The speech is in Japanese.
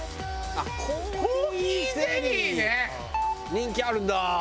人気あるんだ。